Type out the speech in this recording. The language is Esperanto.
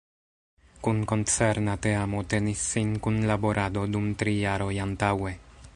Kun koncerna teamo tenis sin kunlaborado dum tri jaroj antaŭe.